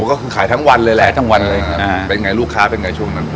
ก็คือขายทั้งวันเลยแหละขายทั้งวันเลยอ่าเป็นไงลูกค้าเป็นไงช่วงนั้น